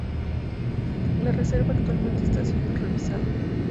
La reserva actualmente está siendo revisada.